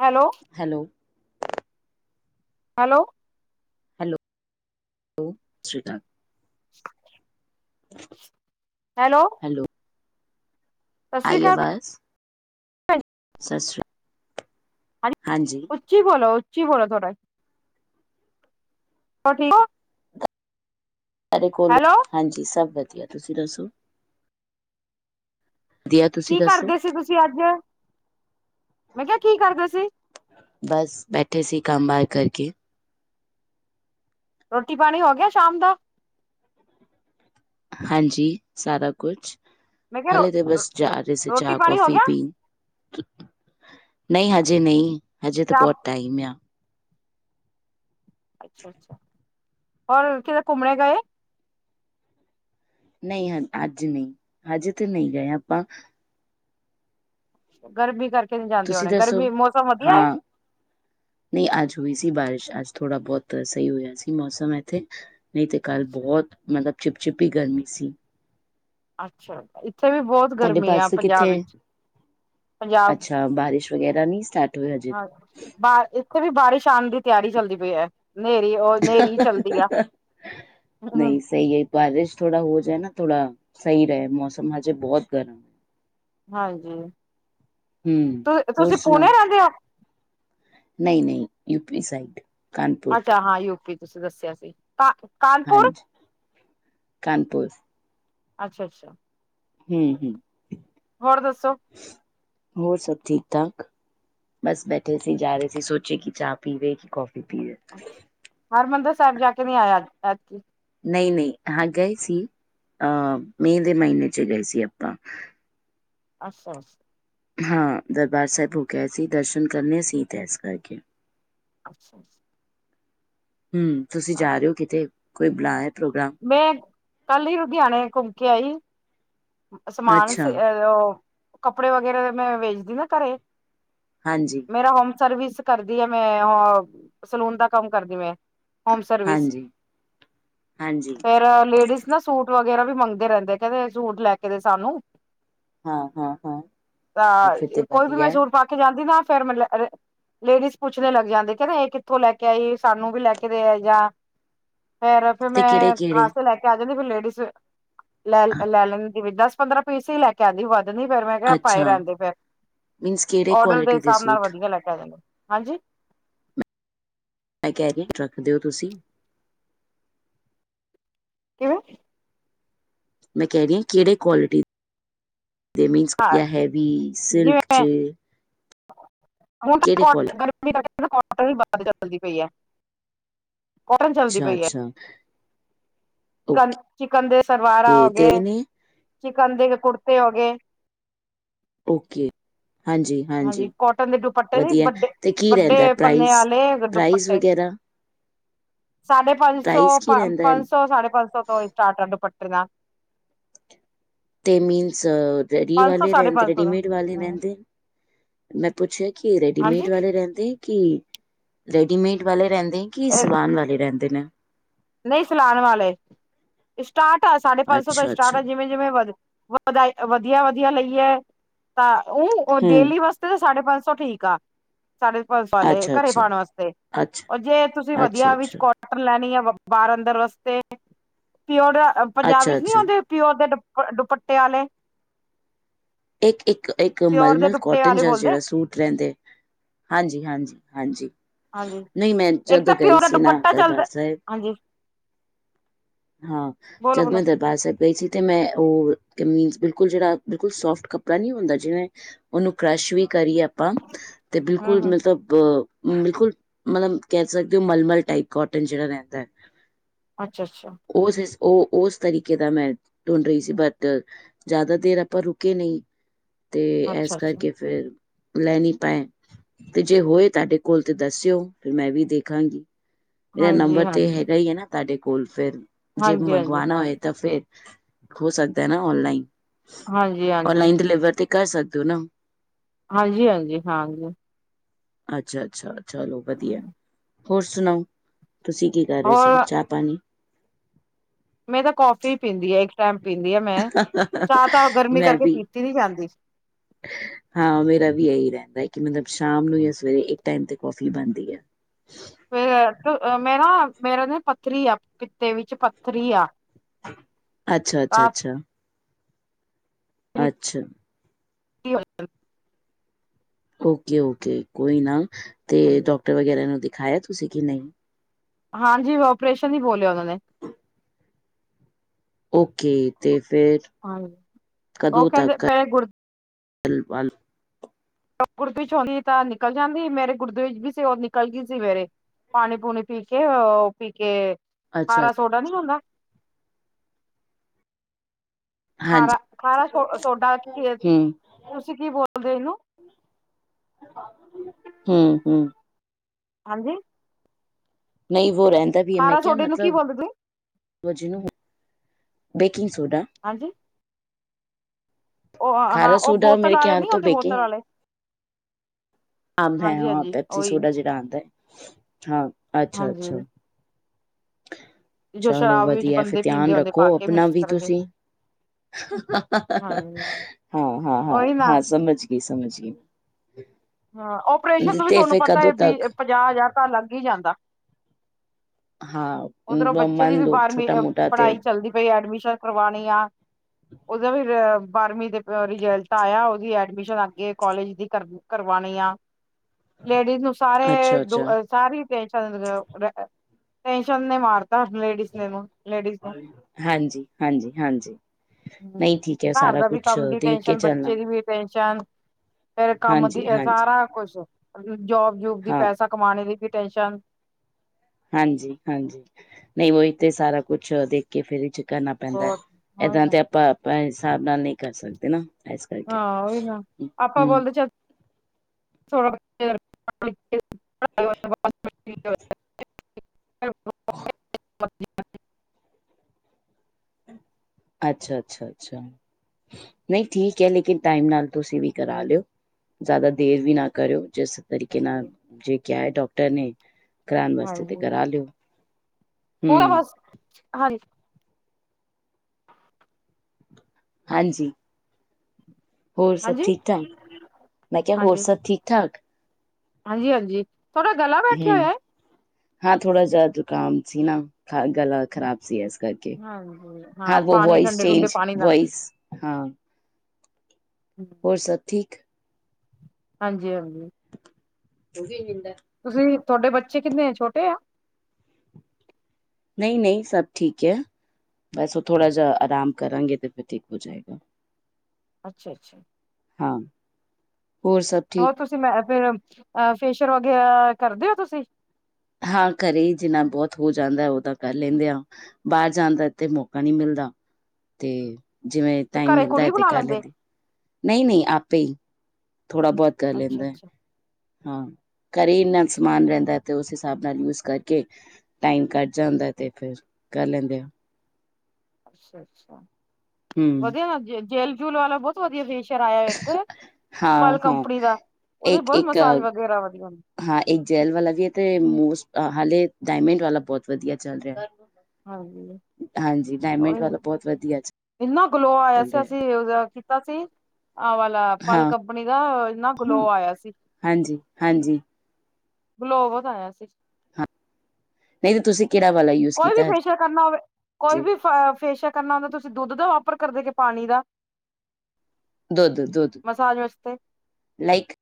Hello hello hello ਓ ਸ਼੍ਰੀ ਕਾਲ। [inaudible] Hello ਸਤਿ ਸ੍ਰੀ ਆਈ ਅਕਾਲ ਅਵਾਜ਼। ਭੈਣ ਜੀ। ਸ ਸ਼੍ਰੀ, ਹਾਂਜੀ। ਉੱਚੀ ਬੋਲੋ, ਉੱਚੀ ਬੋਲੋ ਥੋੋੜਾ। ਹੋ ਠੀਕ ਓ? ਤਾਰੇ ਕੋਲੋਂ ਹੈਲੋ ਹਾਂਜੀ ਸਭ ਵਧੀਆ ਤੁਸੀਂ ਦੱਸੋ? ਵਧੀਆ ਤੁਸੀਂ ਕੀ ਦੱਸੋ? ਕਰਦੇ ਸੀ ਤੁਸੀਂ ਅੱਜ, ਮੈਂ ਕੇਆ ਕੀ ਕਰਦੇ ਸੀ? ਬਸ ਬੈਠੇ ਸੀ ਕੰਮ ਬਾਰ ਕਰਕੇ। ਰੋਟੀ ਪਾਣੀ ਹੋ ਗਿਆ ਸ਼ਾਮ ਦਾ? ਹਾਂਜੀ, ਸਾਰਾ ਕੁਛ, ਮੈਂ ਕਿਹਾ ਰੋ ਹਲੇ ਤੇ ਬਸ ਜਾ ਜਸੇ ਰੋਟੀ ਚਾਹ ਪਾਣੀ ਹੋ ਕੌਫੀ ਗਿਆ ਪੀਨ। ਨੀਂ ਹਜੇ ਨਈ, ਹਜੇ ਤਾਂ ਚਾਹ ਬੋਤ ਟਾਈਮ ਆ। ਅੱਛਾ ਅੱਛਾ, ਹੋਰ ਕਿਤੇ ਕੁਮਨ ਗਏ। ਨਹੀਂ ਅੱਜ ਨਹੀਂ, ਅੱਜ ਤੇ ਨਹੀਂ ਗਏ ਆਪਾਂ- ਗਰਮੀ ਕਰਕੇ ਨੀ ਜਾਂਦੇ ਤੁਸੀਂ ਹੋਣੇ, ਦੱਸੋ? ਗਰਮੀ ਮੌਸਮ ਵਧੀਆ। ਨਈ ਅੱਜ ਹੋਈ ਸੀ ਬਾਰਿਸ਼, ਅੱਜ ਥੋੜਾ ਬਹੁਤ ਸਹੀ ਹੋਇਆ ਸੀ। ਮੌਸਮ ਇੱਥੇ ਨਹੀਂ ਤਾਂ ਕੱਲ੍ਹ ਬਹੁਤ, ਮਤਲਬ ਚਿੱਪ ਚਿਪੀ ਹੀ ਗਰਮੀ ਸੀ। ਅੱਛਾ, ਇੱਥੇ ਵੀ ਬੋਤ ਤੁਾਡੇ ਪਾਸੇ ਕਿੱਥੇ ਪੰਜਾਬ ਅੱਛਾ, ਬਾਰਿਸ਼ ਵਗੈਰਾ ਨੀਂ ਸਟਾਰਟ ਹੋਈ ਹਜੇ ਬਾਰ, ਇੱਥੇ ਵੀ ਬਾਰਿਸ਼ ਆਂਦੀ। ਤਿਆਰੀ ਚੱਲਦੀ ਪਈ ਹੈ, ਨੇਰੀ ਉਹ ਨੇਰੀ ਚੱਲਦੀ ਆ। ਨਹੀਂ ਸਹੀ ਹੈ ਬਾਰਿਸ਼ ਥੋੜਾ ਹੋ ਜਾਏ ਨਾ ਥੋੜਾ, ਸਹੀ ਰਹੇ ਮੌਸਮ ਹਜੇ ਬਹੁਤ ਗਰਮੀ। ਹਾਂਜੀ, ਹੂੰ ਤੁ ਹੋਰ ਤੁਸੀਂ ਪੂਨੇ ਰਹਿੰਦੇ ਹੋ? ਨਈ ਨਈ, ਯੂਪੀ ਸਾਈਡ ਕਾਨਪੁਰ ਅੱਛਾ, ਹਾਂ ਯੂਪੀ ਤੁਸੀਂ ਦੱਸਿਆ ਸੀ। ਕ ਕਾਨਪੁਰ, ਹਾਂਜੀ ਕਾਨਪੁਰ ਅੱਛਾ ਅੱਛਾ। ਹਮ ਹਮ ਹੋਰ ਦੱਸੋ। ਹੋਰ ਸਭ ਠੀਕ-ਠਾਕ। ਬਸ ਬੈਠੇ ਸੀ, ਜਾ ਰੇ ਸੀ, ਸੋਚੇ ਕਿ ਚਾਹ ਪੀਵੇ ਕਿ ਕੌਫੀ ਪੀਵੇ। ਅੱਛਾ, ਹਰਿਮੰਦਿਰ ਸਾਹਿਬ ਜਾ ਕੇ ਨੀ ਆਇਆ ਇਤਕੀ। ਨਈ ਨਈ ਹਾਂ, ਗਏ ਸੀ, ਅ ਮਾਈ ਦੇ ਮਹੀਨੇ ਵਿਚ ਗਏ ਸੀ ਆਪਾਂ। ਅੱ ਅ ਹਾਂ, ਦਰਬਾਰ ਸਾਹਿਬ ਹੋ ਗਿਆ ਸੀ, ਦਰਸ਼ਨ ਕਰਨੇ ਸੀ, ਇਸ ਕਰਕੇ। ਅੱਛਾ ਜੀ। ਹਮ, ਤੁਸੀਂ ਜਾ ਰਹੇ ਹੋ ਕਿਤੇ, ਕੋਈ ਬੁਣਾਆ ਪ੍ਰੋਗਰਾਮ। ਮੈਂ ਕੱਲ ਹੀ ਲੁਧਿਆਣੇ ਘੁੰਮ ਕੇ ਆਈ, ਸਮਾਨ ਅੱਛਾ, ਸੀ ਉਹ ਕੱਪੜੇ ਵਗੈਰਾ, ਮੈਂ ਵੇਚਦੀ ਦਾ ਘਰੇ। ਹਾਂਜੀ। ਮੇਰਾ ਹੋਮ ਸਰਵਿਸ ਕਰਦੀ ਹੈ, ਮੈਂ ਹ ਸਲੂਨ ਦਾ ਕੰਮ ਕਰਦੀ ਮੈਂ। ਹੋਮ ਸਰਵਿਸ ਹਾਂਜੀ ਹਾਂਜੀ। ਫੇਰ ਲੇਡੀਜ਼ ਨਾ ਸੂਟ ਵਗੈਰਾ ਵੀ ਮੰਗਦੇ ਰਹਿੰਦੇ ਕਹਿੰਦੇ, ਸੂਟ ਲੈ ਕੇ ਦੇ ਸਾਨੂੰ। ਹਾਂ, ਹਾਂ, ਹਾਂ। ਫਿਰ ਤੇ ਤਾਂ, ਕੋਈ ਵੀ ਮੈਂ ਵਧੀਆ ਹੈ। ਸਟ ਪਾ ਕੇ ਜਾਂਦੀ ਨਾ ਫੇਰ ਮਤਲਬ ਲੇਡੀਜ ਪੁੱਛਦੇ ਲੱਗ ਜਾਂਦੇ, ਕਹਿੰਦੇ ਇਹ ਕਿੱਥੋਂ ਲੈ ਕੇ ਆਈ ਸਾਨੂੰ ਵੀ ਲੈ ਕੇ ਜਾਂ। ਫੇਰ ਫੇਰ ਤੇ ਮੈਂ ਕਿਹੜੇ-ਕਿਹੜੇ? ਖਾਸੇ ਲੈ ਕੇ ਆ ਜਾਂਦੀ, ਫੇਰ ਲੇਡੀਜ਼ ਲੈ ਲੈ ਲੈਂਦੀ ਵੀ ਦਸ-ਪੰਦਰਾਂ ਪੀਸ ਹੀ ਲੈ। ਕਹਿੰਦੀ ਵਾ। ਨੀ ਫੇਰ ਮੈਂ ਕਿਹਾ ਭਾਈ ਅੱਛਾ, ਰਹਿੰਦੇ ਫੇਰ, ਮੀਨਸ ਕਿਹੜੇ ਆਰਡਰ ਦੇ ਕੁਆਲਿਟੀ ਹਿਸਾਬ ਨਾਲ ਸੂਟ? ਵਧੀਆ ਲੱਗਾ। ਹਾਂਜੀ। ਮੈਂ ਕਹਿ ਰਹੀ ਹੈ, ਰੱਖਦੇ ਹੋ ਤੁਸੀਂ? ਕਿਉ ਮੈਂ ਕਹਿ ਰਹੀ ਹਾਂ, ਕਿਹੜੇ ਕੁਆਲਿਟੀ? ਦੇ ਮੀਨਸ ਹਾਂ ਕਿਆ ਹੈਵੀ ਸਿਲਕ ਜਿਵੇਂ ਚ। ਹੁਣ ਤਾਂ ਕਿਹੜੇ ਕੁਆਲ ਕੋਟਨ, ਗਰਮੀ ਕੋਟਨ ਹੀ ਵੱਧ ਚਲਦੀ ਪਈ ਹੈ। ਕੋਟਨ ਚੱਲਦੀ ਅੱਛਾ-ਅੱਛਾ। ਚਿਕਨ ਚਿਕਨ ਦੇ ਸਲਵਾਰਾਂ ਓਕੇ ਤੇ ਹੋਗੇ, ਨੇ ਚਿਕਨ ਦੇ ਕੁੜਤੇ ਹੋਗੇ [inaudible] ਓਕੇ। ਹਾਂਜੀ-ਹਾਂਜੀ, ਕੋਟਨ ਦੇ ਦੁਪੱਟੇ ਨੀ ਵਧੀਆ ਵੱਡੇ ਤੇ ਕੀ ਰੈਂਦਾ ਵੱਡੇ ਪੰਨੇ ਪ੍ਰਾਈਸ ਆਲੇ ਪ੍ਰਾਈਸ ਦੁਪੱਟੇ ਵਗੈਰਾ? ਸਾਢੇ ਪੰਜ ਸੌ, ਪ੍ਰਾਈਜ਼ ਕੀ ਰਹਿੰਦਾ ਹੈ ਪੰਜ ਸੌ-ਸਾਢੇ ਪੰਜ ਸੌ ਤੋਂ ਸਟਾਰਟ ਐ ਦੁਪੱਟੇ ਨਾਲ। ਤੇ ਮੀਨਸ ਰੈਡੀ ਪੰਜ ਸੌ ਵਾਲੇ ਸਾਢੇ ਰੈਂਦੇ ਪੰਜ ਸੌ ਦਾ ਰੈਡੀਮੇਡ ਵਾਲੇ ਰੈਂਦੇ? ਮੈਂ ਪੁੱਛਿਆ ਕਿ ਰੇਡੀਮੇਡ ਹਾਂਜੀ ਵਾਲੇ ਰੈਂਦੇ ਐ ਕਿ ਰੇਡੀਮੇਡ ਵਾਲੇ ਰੈਦੇ- ਨਈਂ ਕੀ ਸਵਾਨ ਵਾਲੇ ਰੈਂਦੇ ਨੇ। ਨਈਂ ਸਿਲਾਨ ਵਾਲੇ, ਸਟਾਰਟ ਆ ਸਾਢੇ ਪੰਜ ਸੌ ਤੋਂ ਅੱਛਾ ਸਟਾਰਟ ਅੱਛਾ ਆ ਜਿਵੇਂ ਜਿਵੇਂ ਵ ਵਧ ਵਧੀਆ ਵਧੀਆ ਲਈਐ ਤਾਂ ਓ ਹੂੰ ਡੇਲੀ ਬਸ ਸਾਢੇ ਪੰਜ ਸੌ ਠੀਕ ਆ। ਸਾਢੇ ਪੰਜ ਸੌ ਵਾਲੇ, ਅੱਛਾ ਘਰੇ ਅੱਛਾ ਪਾਉਣ ਵਾਸਤੇ। ਅੱਛਾ ਜੇ ਤੁਸੀਂ ਅੱਛਾ ਵਧੀਆ ਵਿੱਚ ਅੱਛਾ ਕੋਟਨ ਲੈਣੀ ਆ ਬਾਰ-ਅੰਦਰ ਵਾਸਤੇ ਪਓਰ ਪੰਜਾਬੀ ਅੱਛਾ ਵਿੱਚ ਚ ਨੀ ਅੱਛਾ ਆਂਦੇ। ਪਿਓਰ ਦੇ ਦੁਪ ਦੁਪੱਟੇ ਆਲੇ। ਏਕ-ਏਕ-ਏਕ ਪਿਓਰ ਦੇ ਮਲਮਲ ਦੁਪੱਟੇ ਕੋਟਨ ਵਾਲੇ ਜ ਬੋਲਦੇ ਜੇੜਾ ਸੂਟ ਰੈਂਦੇ ਹਾਂਜੀ-ਹਾਂਜੀ, ਹਾਂਜੀ। ਹਾਂਜੀ ਨਈਂ ਮੈਂ ਇੱਕ ਜਦੋਂ ਤਾਂ ਗਈ ਪਿਓਰ ਦਾ ਸੀ ਨਾ, ਦੁਪੱਟਾ ਚੱਲਦਾ ਦਰਬਾਰ ਸਾਈਬ ਹਾਂਜੀ ਹਾਂ, ਬੋਲੋ ਬੋਲੋ [unintelligible] ਬਾਰ ਸਾਈਬ ਗਈ ਸੀ, ਤੇ ਮੈਂ ਓ ਕਮੀਜ ਬਿਲਕੁਲ ਜੇੜਾ ਬਿਲਕੁਲ ਸੋਫਟ ਕੱਪੜਾ ਨੀ ਹੁੰਦਾ ਜਿਵੇਂ ਓਨੂੰ ਕਰਸ਼ ਵੀ ਕਰੀਏ ਆਪਾਂ ਤੇ ਹੂੰ ਬਿਲਕੁਲ ਹੂੰ ਮਤਲਬ ਬਿਲਕੁਲ ਮਤਲਬ ਕੈ ਸਕਦੇਓ ਮਲਮਲ ਟਾਈਪ ਕੋਟਨ ਜੇੜਾ ਰੈਂਦੈ ਅੱਛਾ-ਅੱਛਾ। ਓਸ ਓ ਓਸ ਤਰੀਕੇ ਦਾ ਮੈਂ ਟੂਣਡ ਰਹੀ ਸੀ ਬਟ ਜਾਦਾਦੇਰ ਆਪਾਂ ਰੁਕੇ ਨਈਂ, ਤੇ ਅੱਛਾ ਇਸ ਅੱਛਾ ਕਾਰਕੇ ਫੇਰ ਲੈ ਨੀਂ ਪਾਏ, ਤੇ ਜੇ ਹੋਏ ਤਾਡੇ ਕੋਲ ਤੇ ਦੱਸਿਓ, ਫੇਰ ਮੈਂ ਵੀ ਦੇਖਾਂਗੀ। ਐ ਹਾਂਜੀ ਨੰਬਰ ਤੇ ਹਾਂਜੀ ਹੈਗਾ ਈ ਐਨਾ ਤਾਡੇ ਕੋਲ ਫੇਰ ਜੇ ਹਾਂਜੀ ਹਾਂਜੀ ਮੰਗਵਾਣਾ ਹੋਏ ਹਾਂਜੀ ਤਾਂ ਫੇਰ ਹੋ ਸਕਦੈ ਨਾ ਔਨਲਾਈਨ? ਹਾਂਜੀ ਹਾਂ। ਔਨਲਾਈਨ ਡਿਲੀਵਰ ਤੇ ਕਰ ਸਕਦੇ ਓ ਨਾ? ਹਾਂਜੀ-ਹਾਂਜੀ, ਹਾਂ ਜੀ। ਅੱਛਾ-ਅੱਛਾ, ਚਲੋ ਵਦੀਆ ਹੋਰ ਸੁਣਾਓ ਤੁਸੀਂ ਕੀ ਕਰ ਰਏ ਸੀ? ਹੋਰ ਚਾ ਪਾਨੀ ਮੈਂ ਤਾਂ ਕੌਫੀ ਪੀਂਦੀ ਆ ਇੱਕ ਟੈਮ ਪੀਂਦੀ ਆ ਮੈਂ, ਚਾਹ ਤਾਂ ਗਰਮੀ ਮੈਂ ਕਰਕੇ ਵੀ ਪੀਤੀ ਨੀ ਜਾਂਦੀ। ਹਾਂ, ਮੇਰਾ ਵੀ ਏਈ ਰੈਂਦਾ ਕਿ ਮਤਲਬ ਸ਼ਾਮ ਨੂੰ ਜਾਂ ਸਵੇਰੇ ਇੱਕ ਟੈਮ ਤੇ ਕੌਫੀ ਬਣਦੀ ਐ। ਫੇਰ ਮੈਂ ਨਾ ਮੇਰਾ ਨਾ ਪੱਥਰੀ ਆ ਪਿੱਤੇ ਵਿੱਚ ਪੱਥਰੀ ਆ। ਤਾਂ ਅੱਛਾ-ਅੱਛਾ-ਅੱਛਾ। ਅੱਛਾ। [unintelligible] ਓਕੇ-ਓਕੇ, ਕੋਈ ਨਾ ਤੇ ਹਾਂਜੀ ਡਾਕਟਰ ਵਗੈਰਾ ਨੂੰ ਦਿਖਾਆ ਤੁਸੀਂ ਕਿ ਨਈਂ? ਹਾਂਜੀ, ਓਪਰੇਸ਼ਨ ਈ ਬੋਲਿਆ ਓਨਾਂ ਨੇ। ਓਕੇ ਤੇ ਫੇਰ ਹਾਂ, ਓ ਕੈਂਦੇ ਪੈਲੇ ਗੁਰ [unintelligible] ਗੁਰਦੇ ਵਿਚ ਹੁੰਦੀ ਤਾਂ ਨਿਕਲ ਜਾਂਦੀ, ਮੇਰੇ ਗੁਰਦੇ ਵਿਚ ਵੀ ਸੀ ਓ ਨਿਕਲ ਗਈ ਸੀ ਮੇਰੇ। ਪਾਨੀ ਪੂਨੀ ਪੀ ਕੇ ਓ ਪੀ ਕੇ, ਅੱਛਾ ਖਾਰਾ ਸੋਡਾ ਨੀ ਹੁੰਦਾ ਹਾਂਜੀ ਖਾਰਾ-ਖਾਰਾ ਸੋਡਾ ਖੀ ਤੁਸੀਂ ਕੀ ਬੋਲਦੇ ਓ ਏਨੂੰ ਹੂੰ-ਹੂੰ ਹਾਂਜੀ ਨਈਂ ਵੋ ਰੈਂਦਾ ਵੀ ਐ ਮੈਂ ਖਾਰਾ ਕਿਆ ਸੋਡੇ ਨੂੰ ਕੀ ਮਤਲਬ ਬੋਲਦੇ ਤੁਸੀਂ ਵੋ ਜਿਨੂੰ, ਬੇਕਿੰਗ ਸੋਡਾ ਹਾਂਜੀ ਓ ਹਾਂ ਖਾਰਾ ਓ ਸੋਡਾ ਬੋਤਲ ਮੇਰੇ ਆਲੇ ਖਿਆਲ ਨੀ ਤੋਂ ਹੁੰਦੇ ਬੋਤਲ ਬੇਕਿੰਗ ਆਲੇ ਅੰਬ ਹੈ ਹਾਂ ਪੈਪਸੀ ਉਹੀ ਸੋਡਾ ਜੇੜਾ ਆਂਦਾ, ਹਾਂ ਅੱਛਾ-ਅੱਛਾ। ਹਾਂਜੀ ਜੋ ਚਲੋ ਸ਼ਰਾਬ ਵਿੱਚ ਵਦੀਐ ਫੇਰ ਬੰਦੇ ਧਿਆਨ ਪੀਂਦੇ ਹੁੰਦੇ ਪਾ ਰੱਖੋ ਕੇ ਆਪਨਾ ਮਿਕਸ ਵੀ ਕਰਕੇ ਤੁਸੀਂ। ਹਾਂਜੀ ਉਹੀ ਨਾ ਹਾਂ-ਹਾਂ-ਹਾਂ-ਹਾਂ ਸਮਜ ਗੀ ਸਮਜਗੀ। ਹਾਂ, ਓਪਰੇਸ਼ਨ ਨੂੰ ਵੀ ਥੋਨੂੰ ਪਤਾ ਐ ਵੀਅ-ਪੰਜਾਅ ਹਜ਼ਾਰ ਤਾਂ ਲੱਗ ਈ ਜਾਂਦਾ। ਹਾਂ ਓਦਰੋਂ ਬੱਚੇ ਦੀ ਵੀ ਬਾਰਵੀਂ ਪੜਾਈ ਚੱਲਦੀ ਪਈ ਐ ਐਡਮਿਸ਼ਨ ਕਰਵਾਨੀ ਆ, ਓਦਾ ਵੀ ਅ ਬਾਰਵੀਂ ਦੇ ਰਿਜਲਟ ਆਏਆ ਓਦੀ ਵੀ ਐਡਮਿਸ਼ਨ ਅੱਗੇ ਕੋਲਜ ਦੀ ਕਰ ਕਰਵਾਨੀ ਆ, ਲੇਡੀਜ਼ ਨੂੰ ਸਾਰੇ ਦੁ ਅੱਛਾ। ਸਾਰੀ ਟੇਸ਼ਨ ਰ ਰੈ ਚਨ ਨੇ ਮਾਰਤਾ ਲੇਡੀਜ਼ ਨੇ ਓਨੂੰ ਲੇਡੀਜ਼ ਨੂੰ ਹਾਂਜੀ, ਹਾਂਜੀ, ਹਾਂਜੀ। ਹੂੰ ਨਹੀਂ ਠੀਕ ਹੈ, ਘਰ ਸਾਰਾ ਦਾ ਵੀ ਕੁਛ ਕੰਮ ਦੀ ਦੇਖ ਕੇ ਟੈਂਨਸ਼ਨ, ਬੱਚੇ ਚੱਲਣਾ। ਦੀ ਵੀ ਟੈਂਨਸ਼ਨ ਫੇਰ ਕੰਮ ਦੀ ਹਾਂਜੀ, ਸਾਰਾ ਹਾਂਜੀ। ਕੁਸ਼, ਜੋਬ-ਜੂਬ ਦੀ ਹਾਂ, ਪੈਸਾ ਕਮਾਨੇ ਦੀ ਵੀ ਟੈਨਸ਼ਨ ਹਾਂਜੀ-ਹਾਂਜੀ, ਨਈਂ ਓਈ ਤੇ ਸਾਰਾ ਕੁਛ ਦੇਖ ਕੇ ਫੇਰ ਇਚ ਕਰਨਾ ਪੈਂਦਾ ਐ, ਬਹੁਤ ਏਦਾਂ ਤੇ ਆਪਾਂ-ਆਪਾਂ ਹਿਸਾਬ ਨਾਲ ਨਈਂ ਕਰ ਸਕਦੇ ਨਾ। ਇਸ ਕਰਕੇ। ਹਾਂ ਓਈ ਨਾ, ਆਪਾਂ ਹੂੰ, ਬੋਲਦੇ ਚਲ [inaudible] [inaudible] ਹਾਂਜੀ ਅੱਛਾ-ਅੱਛਾ-ਅੱਛਾ। ਨਈਂ ਠੀਕ ਐ ਲੇਕਿਨ ਟਾਈਮ ਨਾਲ ਤੁਸੀਂ ਵੀ ਕਰਾ ਲੇਓ, ਜਾਦਾ ਦੇਰ ਵੀ ਨਾ ਕਰੇਓ। ਜਿਸ ਤਰੀਕੇ ਨਾਲ ਜੇ ਕਿਆ ਐ ਡੋਕਟਰ ਨੇ ਕਰਾਨ ਵਾਸਤੇ ਤਾਂ ਹੁਣ ਕਰਾ ਲੇਓ, ਹੂੰ। ਅਹਾਨੀ ਹਾਂਜੀ ਹੋਰ ਸਬ ਹਾਂਜੀ ਠੀਕ-ਠਾਕ, ਮੈਂ ਕਿਆ ਹੋਰ ਸਬ ਠੀਕ-ਠਾਕ। ਹਾਂਜੀ-ਹਾਂਜੀ, ਥੋਡਾ ਗਲਾ ਬੈਠੇਆ ਹਮ ਹੋਏਆ ਏ। ਹਾਂ ਥੋੜਾ ਜਾ ਜ਼ੁਖਾਮ ਸੀ ਨਾ, ਖਾ ਗਲਾ ਖਰਾਬ ਸੀ ਐਸ ਕਰਕੇ, ਹਾਂਜੀ ਹਾਂ ਪਾਣੀ ਵੌਇਸ ਠੰਡੇ ਠੰਡੇ ਚੇਂਜ ਪਾਣੀ ਨਾਲ ਵੌਇਸ ਹਾਂ ਹੋਰ ਸਬ ਠੀਕ ਹਾਂਜੀ-ਹਾਂਜੀ। ਓ ਵੀ ਨੀਂਦਾ। ਤੁਸੀਂ ਤੁਆਡੇ ਬੱਚੇ ਕਿੰਨੇ ਛੋਟੇ ਆ। ਨਈ-ਨਈ ਸਭ ਠੀਕ ਐ, ਬਸ ਓ ਥੋੜਾ ਜਾ ਆਰਾਮ ਕਰਾਂਗੇ ਤੇ ਫਿਰ ਠੀਕ ਹੋ ਜਾਏਗਾ। ਅੱਛਾ-ਅੱਛਾ। ਹਾਂ, ਹੋਰ ਸਬ ਹੋਰ ਤੁਸੀਂ ਮੈਂ ਫੇਰ ਫੇਸ਼ੀਅਲ ਵਗੈਰਾ ਕਰਦੇ ਓਂ ਤੁਸੀਂ। ਹਾਂ ਘਰੇ ਈ ਜਿੰਨਾ ਬੋਤ ਹੋ ਜਾਂਦਾ ਓ ਤਾਂ ਕਰ ਲੈਂਦੇ ਆਂ। ਬਾਹਰ ਜਾਣ ਦਾ ਤੇ ਮੌਕਾ ਨੀ ਮਿਲਦਾ ਤੇ ਜਿਵੇਂ ਟਾਈਮ ਘਰੇ ਮਿਲਦਾ ਹੈ ਕੁੜੀ ਤੇ ਬੁਲਾ ਕਰ ਲੈਂਦੇ ਨਹੀਂ ਨਹੀਂ ਆਪੇ ਹੀ ਥੋੜ੍ਹਾ ਬਹੁਤ ਕਰ ਅੱਛਾ ਲੈਂਦਾ ਏ ਅੱਛਾ ਹਾਂ ਘਰ ਇੰਨਾ ਅੱਛਾ ਸਮਾਨ ਰਹਿੰਦਾ ਤੇ ਉਸ ਹਿਸਾਬ ਨਾਲ ਯੂਜ ਕਰਕੇ ਟਾਈਮ ਕੱਟ ਜਾਂਦਾ ਤੇ ਫਿਰ ਕਰ ਲੈਂਦੇ ਓ ਅੱਛਾ ਅੱਛਾ ਹਮ ਵਧੀਆ ਨਾ ਜੇ ਜੇਲ ਜੂਲ ਵਾਲਾ ਬਹੁਤ ਵਧੀਆ ਫੇਸ਼ੀਅਰਲ ਆਇਆ ਇੱਕ ਹਾਂ ਪਲ ਹਾਂ ਕੰਪਨੀ ਦਾ ਉਹਦੇ ਚ ਇੱਕ ਬਹੁਤ ਇੱਕ ਮਸਾਜ ਅ, ਵਗੈਰਾ ਵਧੀਆ ਹਾਂ ਇੱਕ ਜੈਲ ਵਾਲਾ ਵੀ ਹੈ ਤੇ ਮੋਸਟ ਹਾਲੇ ਡਾਇਮੰਡ ਵਾਲਾ ਬਹੁਤ ਵਧੀਆ ਚੱਲ ਰਿਹਾ ਹਾਂਜੀ ਹਾਂਜੀ ਉਹੀ ਡਾਇਮੰਡ ਵਾਲਾ ਬਹੁਤ ਵਧੀਆ ਇਨਾ ਗਲੋ ਆਇਆ ਚੱਲ ਸੀ ਰਿਹਾ ਅਸੀ ਉਹਦਾ ਕੀਤਾ ਸੀ ਆਹ ਵਾਲ ਤਾਂ ਪਰਲ ਹਾਂ ਕੰਪਨੀ ਦਾ ਨਾ ਇਨਾ ਗਲੋ ਹਾਂ ਆਇਆ ਸੀ ਹਾਂਜੀ ਹਾਂਜੀ ਗਲੋ ਬੋਤ ਆਇਆ ਸੀ ਨਹੀਂ ਤੇ ਤੁਸੀਂ ਕਿਹੜਾ ਵਾਲਾ ਯੂਜ ਕੋਈ ਵੀ ਕੀਤਾ ਹੈਜ ਫੇਸ਼ੀਅਲ ਕਰਨਾ ਹੋਵੇ ਕੋਈ ਵੀ ਫੇਸ਼ੀਅਲ ਕਰਨਾ ਹੁੰਦਾ ਤੁਸੀਂ ਦੁੱਧ ਦਾ ਆਫਰ ਕਰਦੇ ਕਿ ਪਾਣੀ ਦਾ ਦੁੱਧ ਦੁੱਧ ਮਸਾਜ ਵਾਸਤੇ ਲਾਈਕ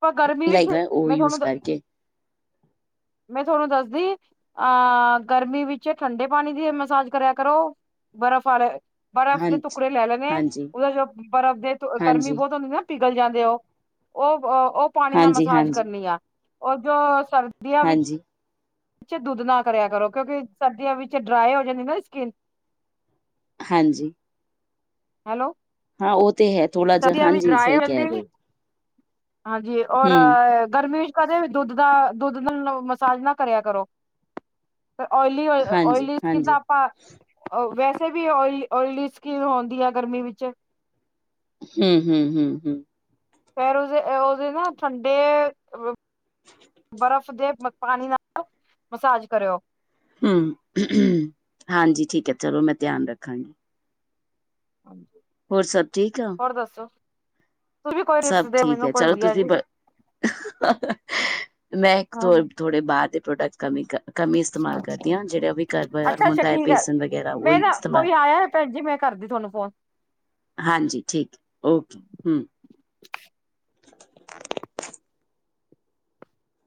ਪਰ ਗਰਮੀ ਵਿੱਚ ਲਾਈਦਾ ਉਹ ਮੈਂ ਯੂਜ ਤੁਹਾਨੂੰ ਦ ਕਰਕੇ ਮੈਂ ਤੁਹਾਨੂੰ ਦੱਸਦੀ ਅ ਗਰਮੀ ਵਿੱਚ ਠੰਡੇ ਪਾਣੀ ਦੀ ਮਸਾਜ ਕਰਿਆ ਕਰੋ ਬਰਫ਼ ਵਾਲੇ ਬਰਫ਼ ਦੇ ਹਾਂਜੀ ਟੁਕੜੇ ਲੈ ਲੈਂਨੇ ਆ ਹਾਂਜੀ ਉਹਦੇ ਚ ਬਰਫ਼ ਦੇ ਗਰਮੀ ਹਾਂਜੀ ਬਹੁਤ ਹੁੰਦੀ ਨਾ ਪਿਘਲ ਜਾਂਦੇ ਉਹ ਉਹ ਉਹ ਪਾਣੀ ਨਾਲ ਹਾਂਜੀ ਮਸਾਜ ਹਾਂਜੀ ਕਰਨੀ ਆ ਉਹ ਜੋ ਸਰਦੀ ਸਰਦੀਆਂ ਹਾਂਜੀ ਵਿੱਚ ਦੁੱਧ ਨਾਲ ਕਰਿਆ ਕਰੋ ਕਿਉਂਕਿ ਸਰਦੀਆਂ ਵਿੱਚ ਡਰਾਈ ਹੋ ਜਾਂਦੀ ਨਾ ਸਕਿਨ ਹਾਂਜੀ ਹੈਲੋ ਹਾਂ ਉਹ ਤੇ ਹੈ ਥੋੜਾ ਜਿਹਾ ਸਰਦੀਆਂ ਵਿੱਚ ਹਾਂਜੀ ਡਰਾਈ ਸਹੀ ਕਹਿ ਰਹੇ ਜਾਂਦੀ ਹੋ ਹਾਂਜੀ ਔਰ ਹੂੰ ਗਰਮੀ ਕਦੇ ਵੀ ਦੁੱਧ ਦਾ ਦੁੱਧ ਦਾ ਮਸਾਜ ਨਾ ਕਰਿਆ ਕਰੋ ਫੇਰ ਓਇਲੀ ਹਾਂਜੀ ਓਇਲੀ ਕਿੱਦਾਂ ਹਾਂਜੀ ਆਪਾਂ ਵੈਸੇ ਵੀ ਓ ਓਇਲੀ ਸਕੀਨ ਹੁੰਦੀ ਆ ਗਰਮੀ ਵਿੱਚ ਹੂੰ ਹੂੰ ਹੂੰ ਹੂੰ ਫੇਰ ਉਹਦੇ ਉਹਦੇ ਨਾ ਠੰਡੇ ਬਰਫ਼ ਦੇ ਪਾਣੀ ਨਾਲ ਮਸਾਜ ਕਰਿਓ ਹੂੰ ਹਾਂਜੀ ਠੀਕ ਹੈ ਚਲੋ ਮੈਂ ਧਿਆਨ ਰੱਖਾਂਗੀ ਹਾਂਜੀ ਹੋਰ ਸਭ ਠੀਕ ਆ ਹੋਰ ਦੱਸੋ ਤੁਸੀਂ ਵੀ ਕੋਈ ਸਭ ਟਿਪਸ ਦਿਓ ਠੀਕ ਮੈਨੂੰ ਹੈ ਕੋਈ ਚਲੋ ਵਧੀਆ ਤੁਸੀਂ ਜੀ ਮੈਂ ਇੱਕ ਹਾਂ ਥੋੜੇ ਬਾਰ ਦੇ ਪ੍ਰੋਡਕਟ ਕਮੀ ਕਰ ਕਮੀ ਹੀ ਇਸਤੇਮਾਲ ਕਰਦੀ ਹਾਂ ਜਿਹੜਾ ਉਹ ਵੀ ਘਰ ਅੱਛਾ ਅੱਛਾ ਹੁੰਦਾ ਹੈ ਠੀਕ ਬੇਸਨ ਵਗੈਰਾ ਮੈਂ ਉਹਹੀ ਨਾ ਇਸਤੇਮਾਲ ਕੋਈ ਆਇਆ ਭੈਣ ਜੀ ਮੈਂ ਕਰਦੀ ਤੁਹਾਨੂੰ ਫੋਨ ਹਾਂਜੀ ਠੀਕ ਓਕੇ ਹੂੰ